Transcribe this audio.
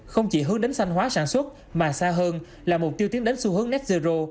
không chỉ hướng đến xanh hóa sản xuất mà xa hơn là mục tiêu tiến đến xu hướng net zero